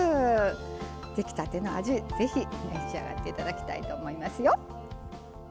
出来たての味、ぜひ召し上がっていただきたいと思いますよ。